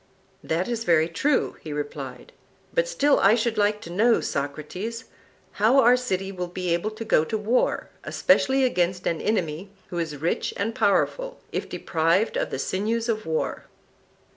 That is very true, he replied; but still I should like to know, Socrates, how our city will be able to go to war, especially against an enemy who is rich and powerful, if deprived of the sinews of war.